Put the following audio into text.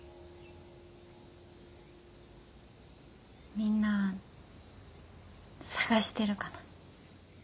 みんな捜してるかな。